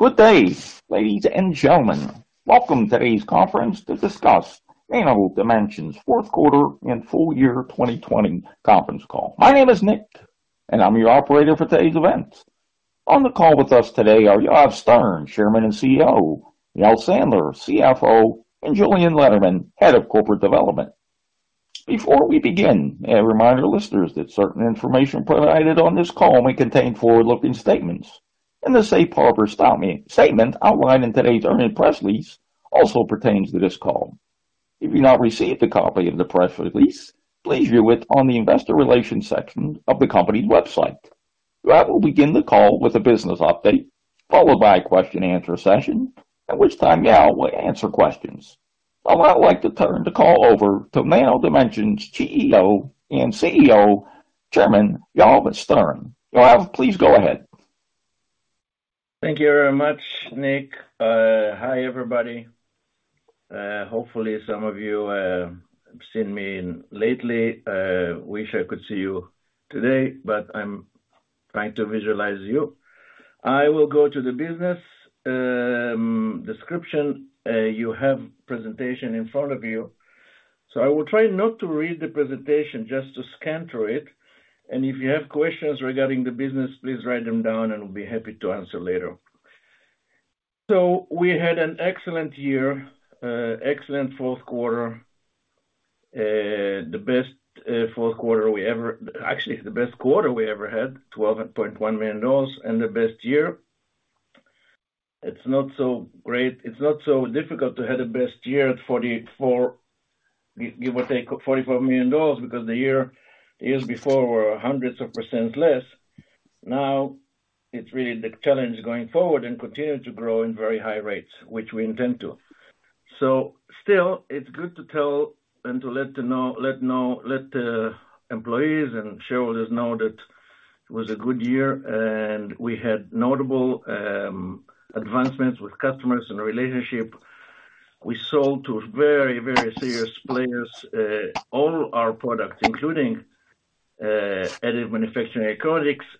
Good day, ladies and gentlemen. Welcome to today's conference to discuss Nano Dimension's Q4 and Full Year 2020 Conference Call. My name is Nick, and I'm your operator for today's event. On the call with us today are Yoav Stern, Chairman and CEO, Yael Sandler, CFO, and Julien Lederman, Head of Corporate Development. Before we begin, a reminder to listeners that certain information provided on this call may contain forward-looking statements, and the safe harbor statement outlined in today's earnings press release also pertains to this call. If you've not received a copy of the press release, please view it on the investor relations section of the company's website. Yoav will begin the call with a business update, followed by a Q&A session, at which time Yael will answer questions. I would now like to turn the call over to Nano Dimension's CEO and Chairman, Yoav Stern. Yoav, please go ahead. Thank you very much, Nick. Hi, everybody. Hopefully, some of you have seen me lately. Wish I could see you today, but I'm trying to visualize you. I will go to the business description. You have presentation in front of you. I will try not to read the presentation, just to scan through it. If you have questions regarding the business, please write them down, and I'll be happy to answer them later. We had an excellent year, excellent Q4. The best Q4. Actually, it's the best quarter we ever had, $12.1 million. The best year. It's not so great. It's not so difficult to have the best year at $44 million, give or take, $44 million, because the years before were hundreds of percentage less. It's really the challenge going forward and continuing to grow at very high rates, which we intend to. Still, it's good to tell and to let the employees and shareholders know that it was a good year. We had notable advancements with customers and relationships. We sold to very serious players, all our products, including additive manufacturing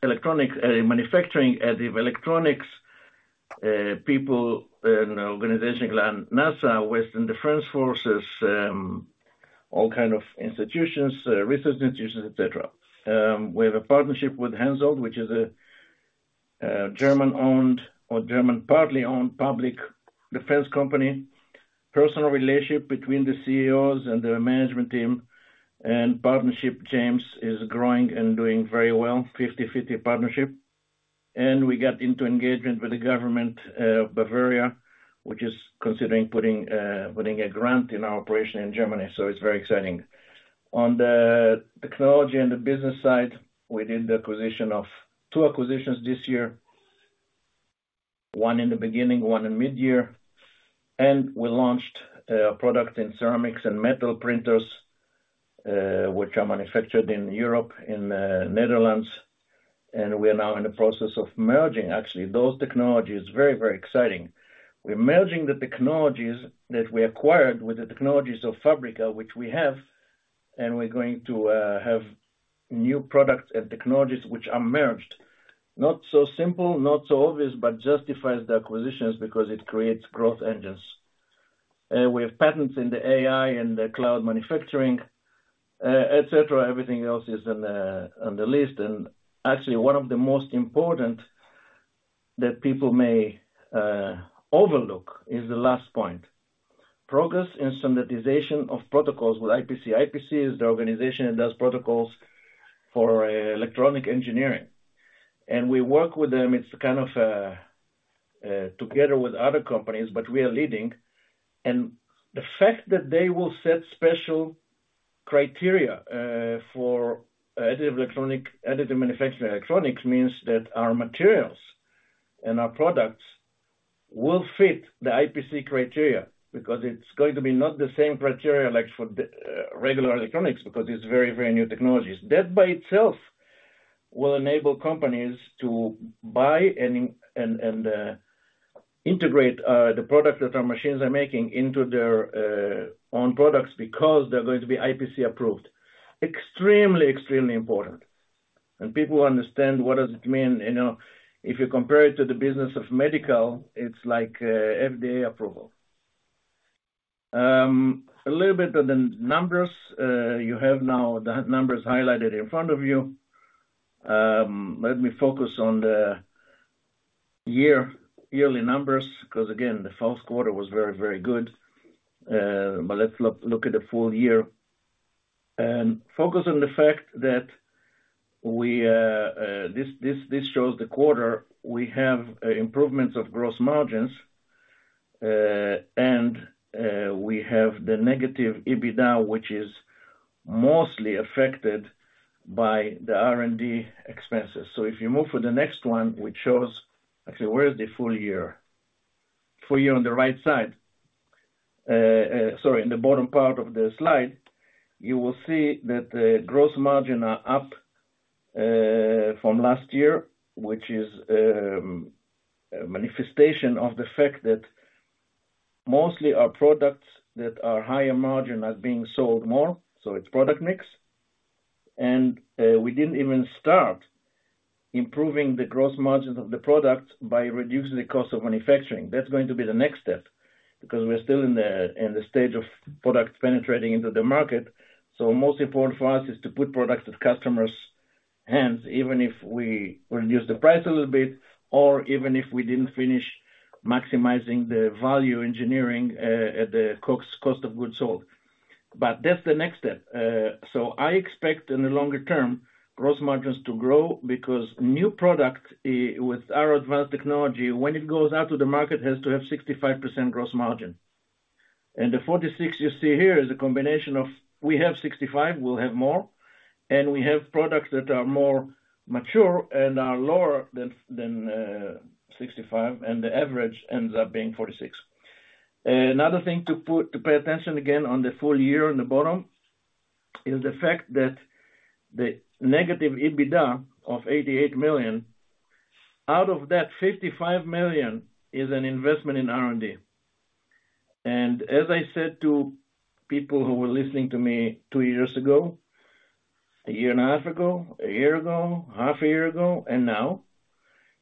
electronics, additive electronics, people in organizations like NASA, Western Defense Forces, all kinds of institutions, research institutions, et cetera. We have a partnership with Hensoldt, which is a German-owned or German partly-owned public defense company. Personal relationship between the CEOs and their management team and partnership teams is growing and doing very well, a 50/50 partnership. We got into engagement with the government of Bavaria, which is considering putting a grant in our operation in Germany. It's very exciting. On the technology and the business side, we did the acquisition of two acquisitions this year, one in the beginning, one in midyear. We launched product in ceramics and metal printers, which are manufactured in Europe, in Netherlands. We are now in the process of merging, actually, those technologies. Very, very exciting. We're merging the technologies that we acquired with the technologies of Fabrica, which we have, and we're going to have new products and technologies that are merged. Not so simple, not so obvious, but justifies the acquisitions because it creates growth engines. We have patents in the AI and the cloud manufacturing, et cetera. Everything else is on the list. Actually, one of the most important that people may overlook is the last point. Progress in standardization of protocols with IPC. IPC is the organization that does protocols for electronic engineering. We work with them. It's kind of, together with other companies, but we are leading. The fact that they will set special criteria for additive manufacturing electronics means that our materials and our products will fit the IPC criteria because it's not going to be the same criteria as for the regular electronics, because it's very, very new technologies. That by itself will enable companies to buy and integrate the product that our machines are making into their own products because they're going to be IPC approved. Extremely, extremely important. People understand what it means. You know, if you compare it to the medical business, it's like FDA approval. A little bit of the numbers. You now have the numbers highlighted in front of you. Let me focus on the year, yearly numbers, 'cause again, Q4 was very, very good. Let's look at the full year. Focus on the fact that we, this shows the quarter. We have improvements of gross margins, and we have the negative EBITDA, which is mostly affected by the R&D expenses. If you move to the next one, which shows... Actually, where is the full year? Full year on the right side. Sorry, in the bottom part of the slide, you will see that the gross margin are up from last year, which is a manifestation of the fact that mostly our products that are higher margin are being sold more. It's product mix. We didn't even start improving the gross margins of the product by reducing the cost of manufacturing. That's going to be the next step, because we're still in the stage of product penetrating into the market. Most important for us is to put products in customers' hands, even if we reduce the price a little bit or even if we didn't finish maximizing the value engineering at the cost of goods sold. That's the next step. I expect in the longer term, gross margins to grow because new product with our advanced technology, when it goes out to the market, has to have 65% gross margin. The 46 you see here is a combination of we have 65, we'll have more, and we have products that are more mature and are lower than 65, and the average ends up being 46. Another thing to pay attention again on the full year on the bottom, is the fact that the negative EBITDA of $88 million, out of that $55 million is an investment in R&D. As I said to people who were listening to me two years ago, a year and a half ago, a year ago, half a year ago, and now,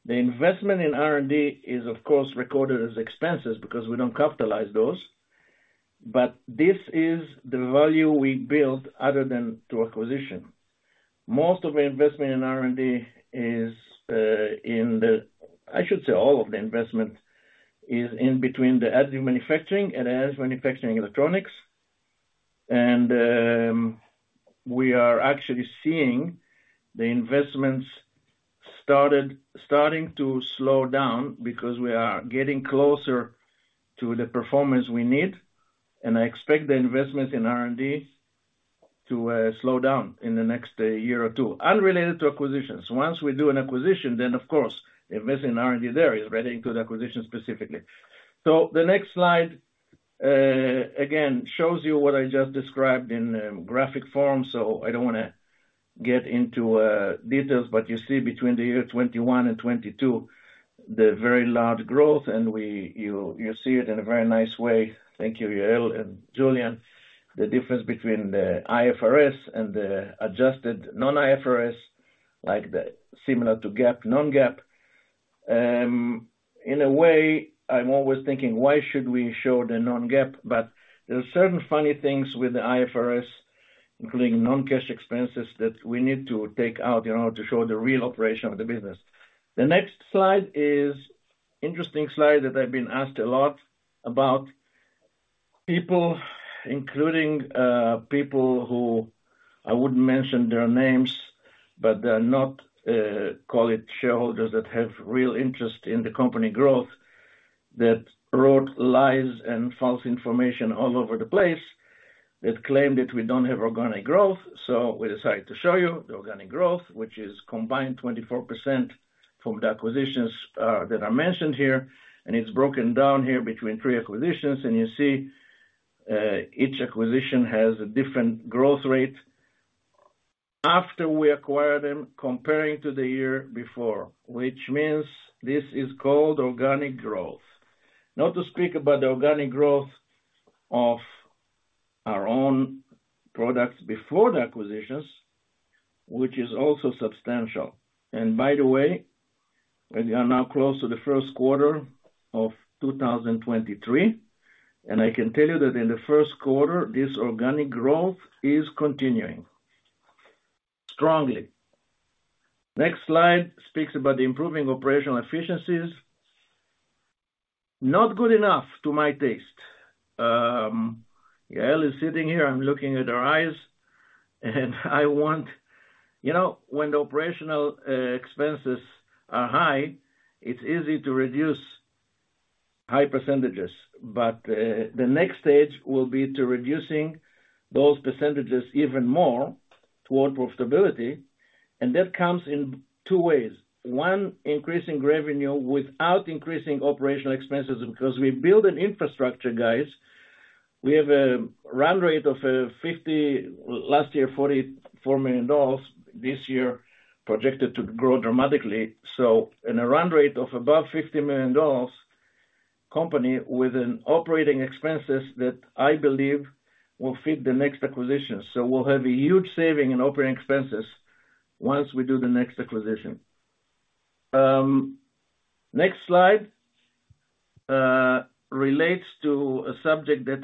the investment in R&D is, of course, recorded as expenses because we don't capitalize those. This is the value we built other than through acquisition. Most of the investment in R&D is, I should say all of the investment is in between the additive manufacturing and advanced manufacturing electronics. We are actually seeing the investments starting to slow down because we are getting closer to the performance we need. I expect the investment in R&D to slow down in the next year or two, unrelated to acquisitions. Once we do an acquisition, then of course, investing in R&D there is already into the acquisition specifically. The next slide, again, shows you what I just described in graphic form, so I don't wanna get into details, but you see between the year 21 and 22, the very large growth. You see it in a very nice way. Thank you, Yael and Julien. The difference between the IFRS and the adjusted non-IFRS, like the similar to GAAP, non-GAAP. In a way, I'm always thinking, why should we show the non-GAAP? There are certain funny things with the IFRS, including non-cash expenses that we need to take out in order to show the real operation of the business. The next slide is interesting slide that I've been asked a lot about people, including, people who I wouldn't mention their names, but they're not, call it shareholders that have real interest in the company growth, that wrote lies and false information all over the place, that claimed that we don't have organic growth. We decided to show you the organic growth, which is combined 24% from the acquisitions, that I mentioned here, and it's broken down here between three acquisitions. You see, each acquisition has a different growth rate. After we acquire them, comparing to the year before, which means this is called organic growth. Not to speak about the organic growth of our own products before the acquisitions, which is also substantial. By the way, we are now close to Q1 of 2023, and I can tell you that in Q1, this organic growth is continuing strongly. Next slide speaks about improving operational efficiencies. Not good enough to my taste. Yael is sitting here, I'm looking at her eyes, I want. You know, when the operational expenses are high, it's easy to reduce high percentages, but the next stage will be to reducing those percentages even more toward profitability, and that comes in two ways. One, increasing revenue without increasing operational expenses, because we build an infrastructure, guys. We have a run rate of 50, last year, $44 million, this year projected to grow dramatically. In a run rate of above $50 million company with an operating expenses that I believe will fit the next acquisition. We'll have a huge saving in OpEx once we do the next acquisition. Next slide relates to a subject that,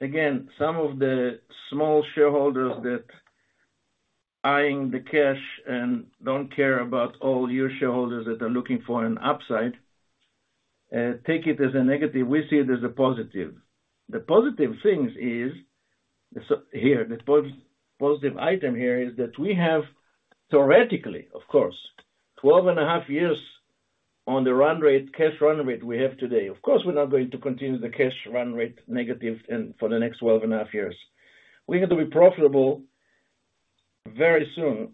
again, some of the small shareholders that eyeing the cash and don't care about all you shareholders that are looking for an upside, take it as a negative, we see it as a positive. The positive things is, here, the positive item here is that we have theoretically, of course, 12.5 years on the run rate, cash run rate we have today. Of course, we're not going to continue the cash run rate negative and for the next 12.5 years. We have to be profitable very soon,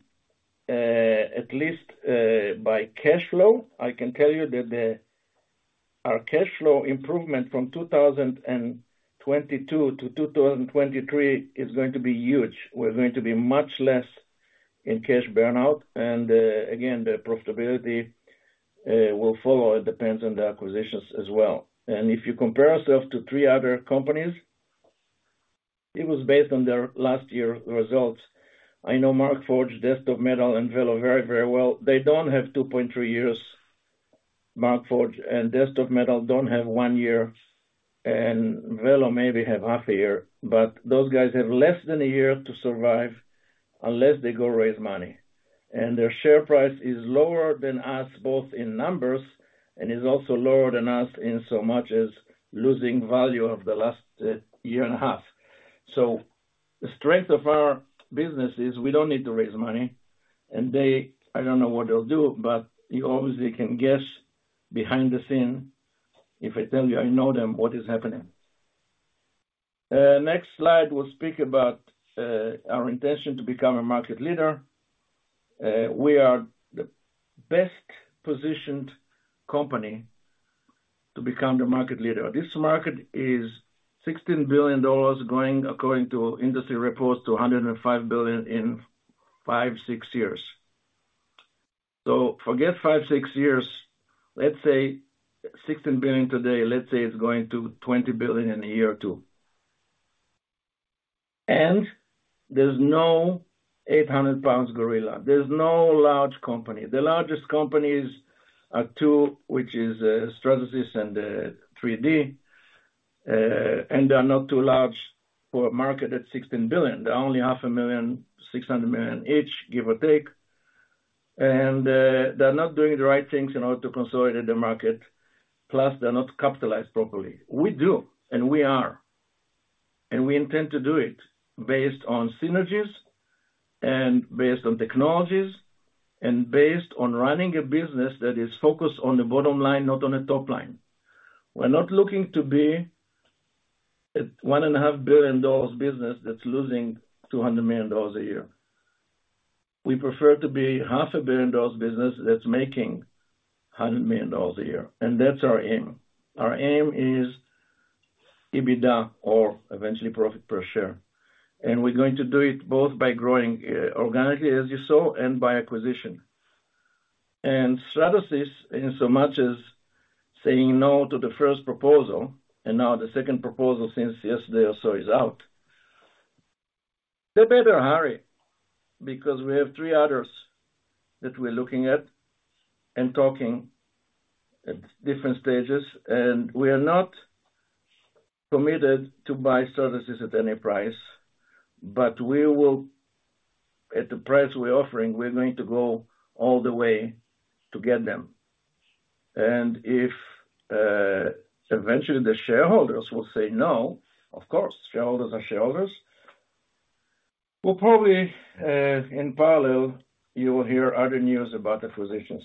at least, by cash flow. I can tell you that our cash flow improvement from 2022 to 2023 is going to be huge. We're going to be much less in cash burnout. Again, the profitability will follow. It depends on the acquisitions as well. If you compare yourself to three other companies, it was based on their last year results. I know Markforged, Desktop Metal, and Velo very, very well. They don't have 2.3 years. Markforged and Desktop Metal don't have one year, and Velo maybe have half a year. Those guys have less than one year to survive unless they go raise money. Their share price is lower than us, both in numbers, and is also lower than us in so much as losing value over the last year and a half. The strength of our business is we don't need to raise money. They, I don't know what they'll do, but you obviously can guess behind the scene, if I tell you I know them, what is happening. Next slide will speak about our intention to become a market leader. We are the best-positioned company to become the market leader. This market is $16 billion growing, according to industry reports, to $105 billion in 5, 6 years. So forget five, six, years. Let's say $16 billion today, let's say it's going to $20 billion in a year or two. There's no 800-pound gorilla. There's no large company. The largest companies are two, which is Stratasys and 3D. They are not too large for a market at $16 billion. They're only half a million, $600 million each, give or take. They're not doing the right things in order to consolidate the market. Plus, they're not capitalized properly. We do, and we are. We intend to do it based on synergies and based on technologies and based on running a business that is focused on the bottom line, not on the top line. We're not looking to be a $1.5 billion business that's losing $200 million a year. We prefer to be half a billion dollars business that's making $100 million a year, and that's our aim. Our aim is EBITDA or eventually profit per share. We're going to do it both by growing organically, as you saw, and by acquisition. Stratasys, in so much as saying no to the first proposal, and now the second proposal since yesterday or so is out, they better hurry because we have three others that we're looking at and talking at different stages, and we are not permitted to buy Stratasys at any price. At the price we're offering, we're going to go all the way to get them. If eventually the shareholders will say, no, of course, shareholders are shareholders. We'll probably, in parallel, you will hear other news about acquisitions.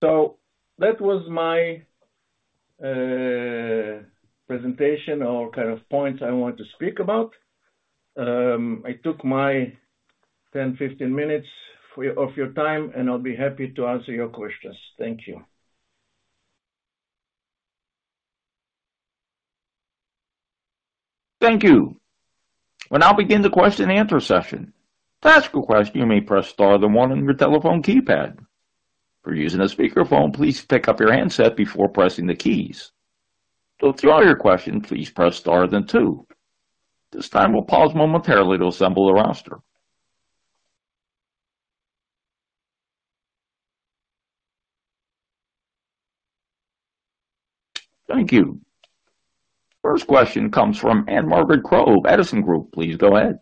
That was my presentation or kind of points I want to speak about. I took my 10, 15 minutes of your time, and I'll be happy to answer your questions. Thank you. Thank you. We'll now begin the Q&A session. To ask a question, you may press star then one on your telephone keypad. If you're using a speakerphone, please pick up your handset before pressing the keys. To withdraw your question, please press star then two. At this time, we'll pause momentarily to assemble the roster. Thank you. First question comes from Anne Margaret Crow, Edison Group. Please go ahead.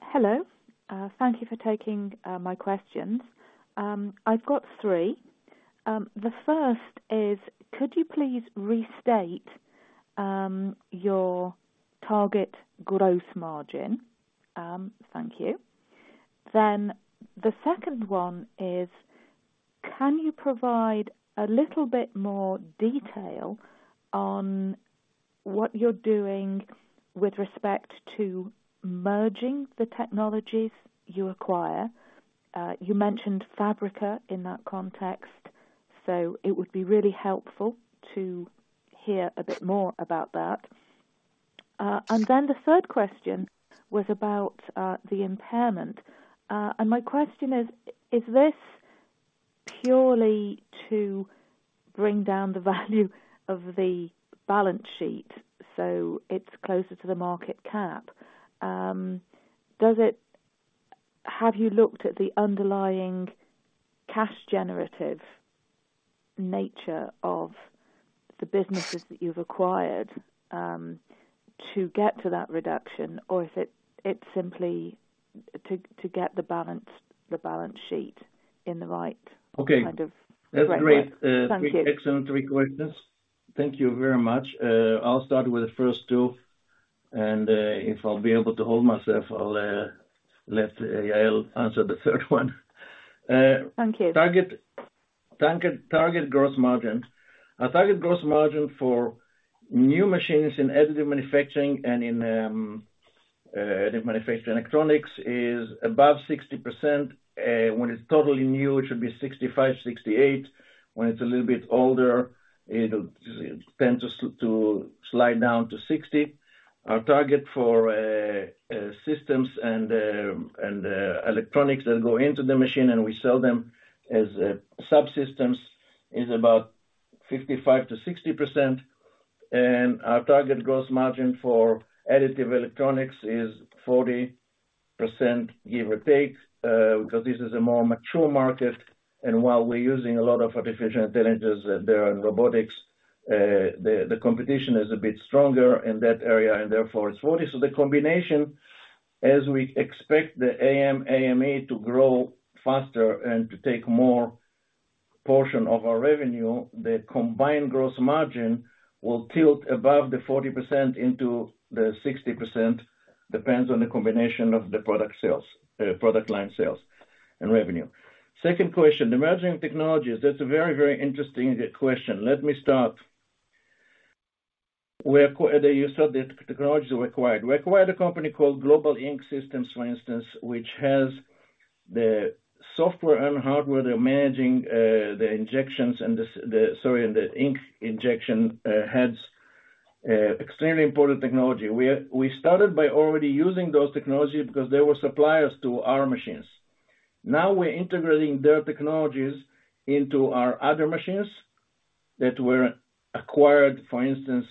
Hello. Thank you for taking my questions. I've got three. The first is, could you please restate your target gross margin? Thank you. The second one is, can you provide a little bit more detail on what you're doing with respect to merging the technologies you acquire? You mentioned Fabrica in that context, so it would be really helpful to hear a bit more about that. The third question was about the impairment. My question is this purely to bring down the value of the balance sheet, so it's closer to the market cap? Have you looked at the underlying cash generative nature of the businesses that you've acquired to get to that reduction? Or is it simply to get the balance sheet in the right- Okay. kind of framework? That's great. Thank you. three excellent three questions. Thank you very much. I'll start with the first two, and, if I'll be able to hold myself, I'll let Yael answer the third one. Thank you. Target gross margin. Our target gross margin for new machines in additive manufacturing and in additive manufacturing electronics is above 60%. When it's totally new, it should be 65%, 68%. When it's a little bit older, it'll tend to slide down to 60%. Our target for systems and electronics that go into the machine and we sell them as subsystems is about 55%-60%. Our target gross margin for additive electronics is 40%, give or take, because this is a more mature market. While we're using a lot of artificial intelligence there and robotics, the competition is a bit stronger in that area, and therefore it's 40%. The combination, as we expect the AM, AMA to grow faster and to take more portion of our revenue, the combined gross margin will tilt above the 40% into the 60%, depends on the combination of the product sales, product line sales and revenue. Second question, emerging technologies. That's a very, very interesting question. Let me start. You said the technologies we acquired. We acquired a company called Global Inkjet Systems, for instance, which has the software and hardware. They're managing the injections and Sorry, the ink injection heads. Extremely important technology. We started by already using those technology because they were suppliers to our machines. Now we're integrating their technologies into our other machines that were acquired, for instance,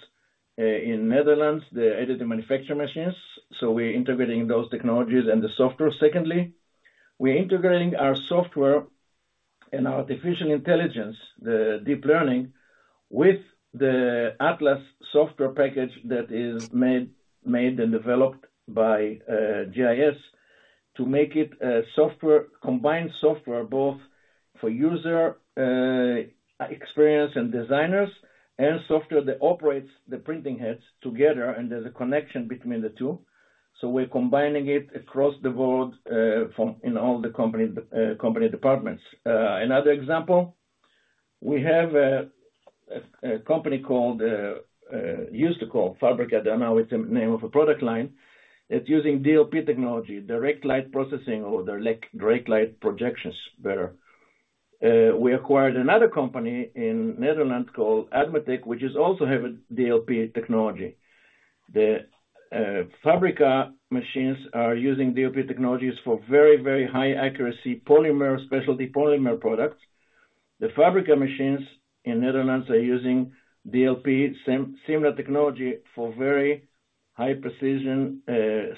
in Netherlands, the additive manufacture machines. We're integrating those technologies and the software. Secondly, we're integrating our software and artificial intelligence, the deep learning, with the Atlas software package that is made and developed by GIS to make it a combined software, both for user experience and designers, and software that operates the printing heads together, and there's a connection between the two. We're combining it across the board from, in all the company departments. Another example, we have a company called used to call Fabrica, now it's a name of a product line. It's using DLP technology, direct light processing or direct light projections. Better. We acquired another company in Netherlands called Admatec, which is also have a DLP technology. The Fabrica machines are using DLP technologies for very high accuracy polymer, specialty polymer products. The Fabrica machines in Netherlands are using DLP similar technology for very high precision,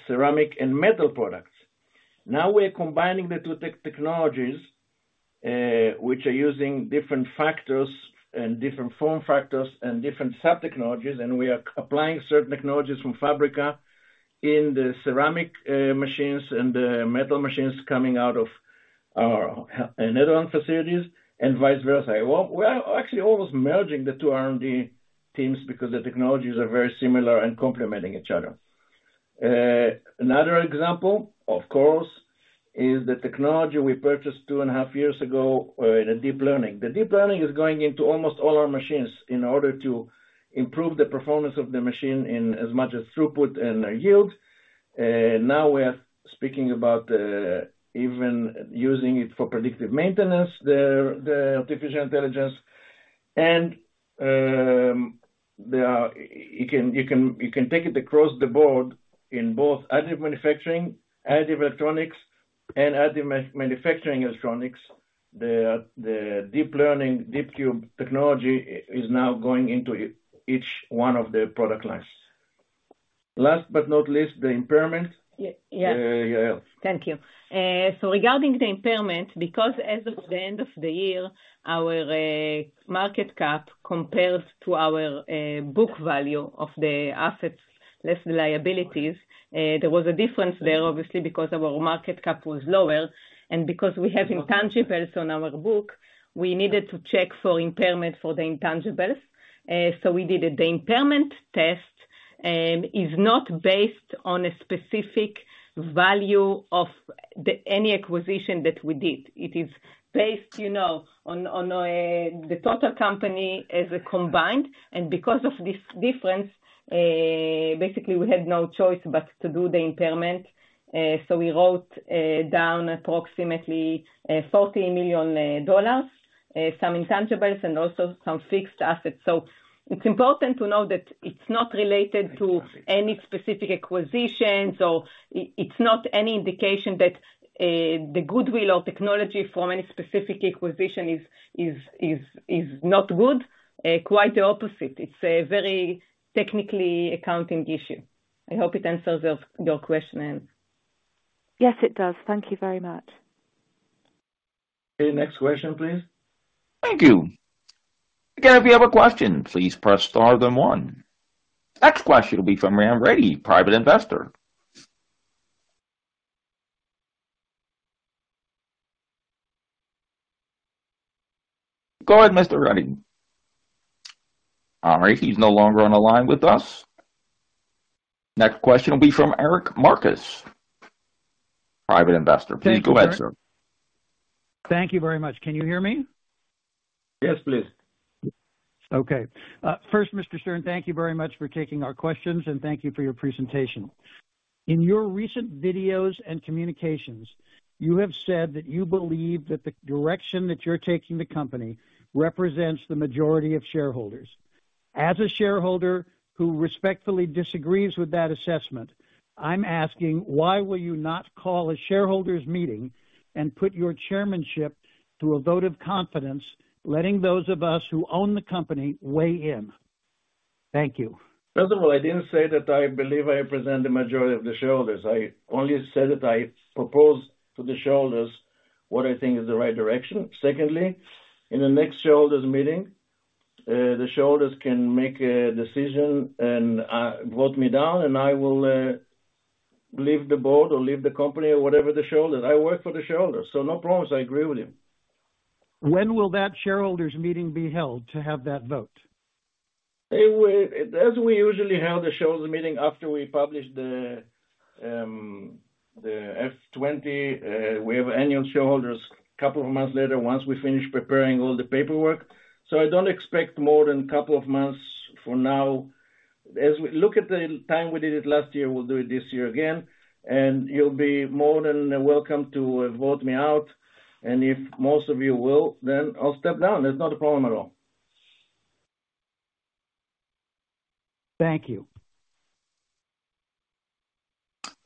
ceramic and metal products. Now we're combining the two technologies, which are using different factors and different form factors and different sub-technologies, and we are applying certain technologies from Fabrica in the ceramic machines and the metal machines coming out of our Netherlands facilities and vice versa. Well, we are actually almost merging the two R&D teams because the technologies are very similar and complementing each other. Another example, of course, is the technology we purchased two and a half years ago, in DeepCube. DeepCube is going into almost all our machines in order to improve the performance of the machine in as much as throughput and yield. Now we are speaking about even using it for predictive maintenance, the artificial intelligence. You can take it across the board in both Additive Manufacturing, additive electronics and additive manufacturing electronics. The deep learning, DeepCube technology is now going into each one of the product lines. Last but not least, the impairment. Ye-yes. Yael. Thank you. Regarding the impairment, because as of the end of the year, our market cap compares to our book value of the assets less liabilities, there was a difference there, obviously, because our market cap was lower and because we have intangibles on our book, we needed to check for impairment for the intangibles. We did it. The impairment test is not based on a specific value of any acquisition that we did. It is based, you know, on the total company as a combined. Because of this difference, basically we had no choice but to do the impairment. We wrote down approximately $40 million, some intangibles and also some fixed assets. It's important to know that it's not related to any specific acquisitions or it's not any indication that the goodwill or technology from any specific acquisition is not good. Quite the opposite. It's a very technically accounting issue. I hope it answers your question. Yes, it does. Thank you very much. Okay, next question, please. Thank you. Again, if you have a question, please press star then one. Next question will be from Ram Reddy, Private Investor. Go ahead, Mr. Reddy. All right. He's no longer on the line with us. Next question will be from Eric Marcus. Private Investor. Please go ahead, sir. Thank you very much. Can you hear me? Yes, please. Okay. First, Mr. Stern, thank you very much for taking our questions, and thank you for your presentation. In your recent videos and communications, you have said that you believe that the direction that you're taking the company represents the majority of shareholders. As a shareholder who respectfully disagrees with that assessment, I'm asking why will you not call a shareholders meeting and put your chairmanship to a vote of confidence, letting those of us who own the company weigh in? Thank you. First of all, I didn't say that I believe I represent the majority of the shareholders. I only said that I propose to the shareholders what I think is the right direction. Secondly, in the next shareholders meeting, the shareholders can make a decision and vote me down, and I will leave the board or leave the company or whatever the shareholders... I work for the shareholders, so no problems. I agree with you. When will that shareholders meeting be held to have that vote? As we usually have the shareholders meeting after we publish the Form 20-F, we have annual shareholders a couple of months later, once we finish preparing all the paperwork. I don't expect more than a couple of months from now. Look at the time we did it last year, we'll do it this year again, and you'll be more than welcome to vote me out. If most of you will, then I'll step down. There's not a problem at all. Thank you.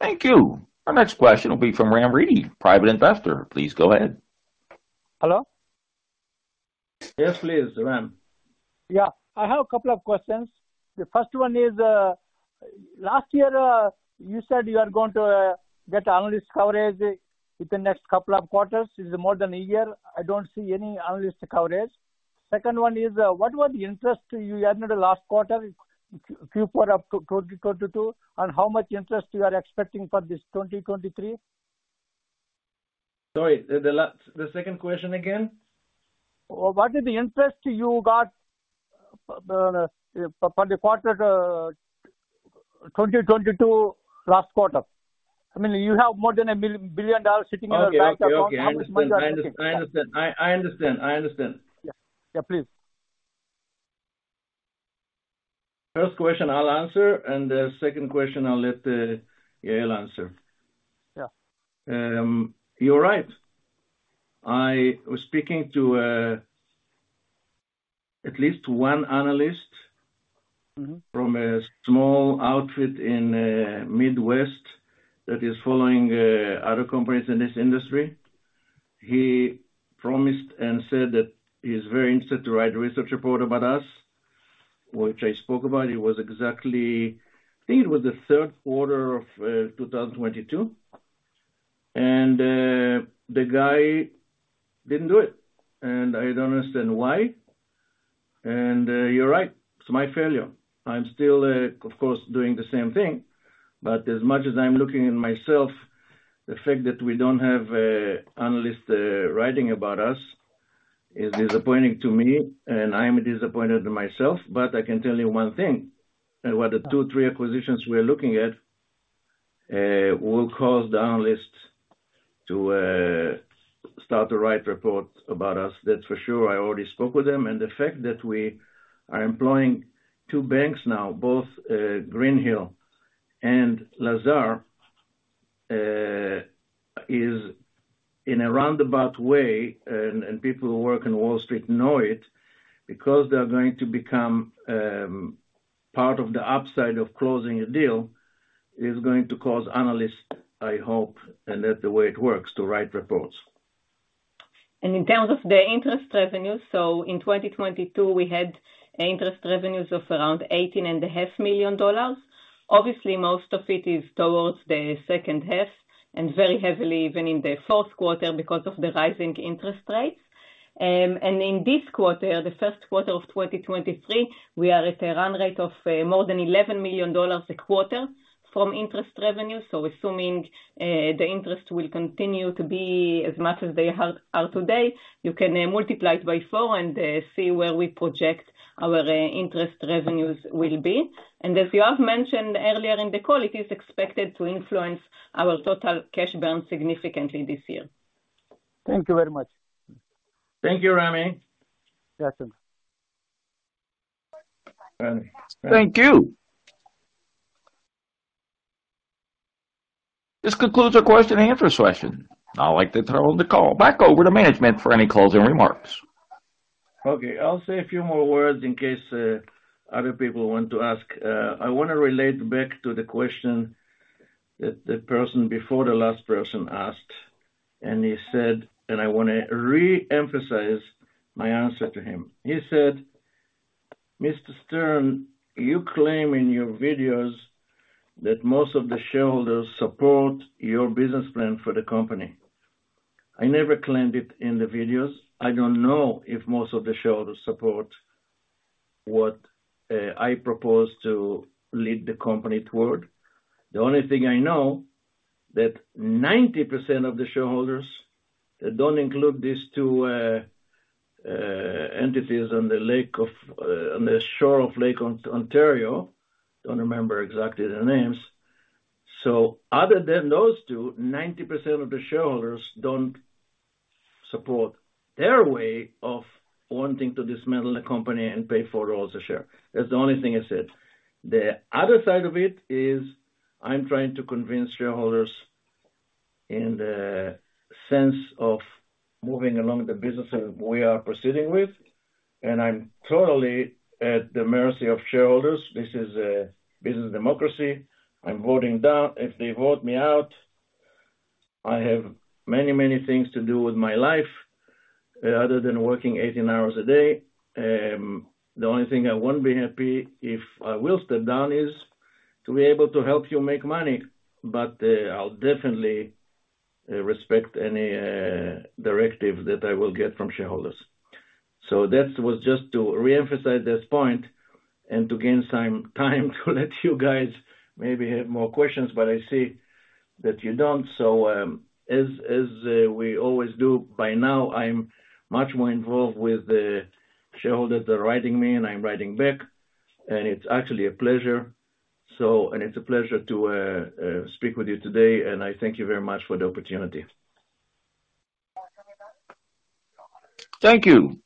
Thank you. Our next question will be from Ram Reddy, Private Investor. Please go ahead. Hello. Yes, please, Ram. Yeah. I have a couple of questions. The first one is, last year, you said you are going to get analyst coverage within next couple of quarters. It's more than a year. I don't see any analyst coverage. Second one is, what was the interest you earned in the last quarter, Q4 of 2022? How much interest you are expecting for this 2023? Sorry. The second question again. What is the interest you got for the quarter 2022 last quarter? I mean, you have more than $1 billion sitting in your bank account. Okay. Okay. I understand. I understand. I understand. I understand. Yeah. Yeah, please. First question, I'll answer. The second question, I'll let Yael answer. Yeah. you're right. I was speaking to, at least one analyst- Mm-hmm. -from a small outfit in Midwest that is following other companies in this industry. He promised and said that he's very interested to write a research report about us, which I spoke about. It was exactly, I think it was Q3 of 2022. The guy didn't do it, and I don't understand why. You're right. It's my failure. I'm still of course, doing the same thing. As much as I'm looking at myself, the fact that we don't have analysts writing about us is disappointing to me, and I am disappointed in myself. I can tell you one thing, that the two, three acquisitions we are looking at will cause the analysts to start to write reports about us. That's for sure. I already spoke with them. The fact that we are employing two banks now, both, Greenhill and Lazard, is in a roundabout way, and people who work in Wall Street know it, because they are going to become, part of the upside of closing a deal, is going to cause analysts, I hope, and that's the way it works, to write reports. In terms of the interest revenue, so in 2022, we had interest revenues of around eighteen and a half million dollars. Obviously, most of it is towards the second half and very heavily even in Q4 because of the rising interest rates. In this quarter, Q1 of 2023, we are at a run rate of more than $11 million a quarter from interest revenue. Assuming the interest will continue to be as much as they are today, you can multiply it by four and see where we project our interest revenues will be. As you have mentioned earlier in the call, it is expected to influence our total cash burn significantly this year. Thank you very much. Thank you, Rammy. Yes, sir. Thank you. This concludes our Q&A session. I'd like to turn the call back over to management for any closing remarks. Okay. I'll say a few more words in case other people want to ask. I wanna relate back to the question that the person before the last person asked, and he said. I wanna re-emphasize my answer to him. He said, "Mr. Stern, you claim in your videos that most of the shareholders support your business plan for the company." I never claimed it in the videos. I don't know if most of the shareholders support what I propose to lead the company toward. The only thing I know that 90% of the shareholders, that don't include these two entities on the lake of on the shore of Lake Ontario. Don't remember exactly the names. Other than those two, 90% of the shareholders don't support their way of wanting to dismantle the company and pay $4 a share. That's the only thing I said. The other side of it is I'm trying to convince shareholders in the sense of moving along the businesses we are proceeding with, and I'm totally at the mercy of shareholders. This is a business democracy. I'm voting down. If they vote me out, I have many, many things to do with my life, other than working 18 hours a day. The only thing I won't be happy if I will step down is to be able to help you make money, but I'll definitely respect any directive that I will get from shareholders. That was just to reemphasize this point and to gain some time to let you guys maybe have more questions, but I see that you don't. As we always do, by now, I'm much more involved with the shareholders. They're writing me, and I'm writing back, and it's actually a pleasure. It's a pleasure to speak with you today, and I thank you very much for the opportunity. Thank you.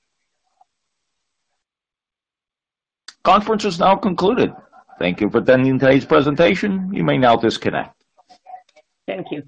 Conference is now concluded. Thank you for attending today's presentation. You may now disconnect. Thank you.